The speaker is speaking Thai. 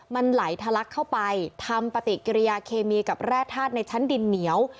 มันไหลทะลักเข้าไปทำปฏิกิริยาเคมีกับแร่ธาตุในชั้นดินเหนียว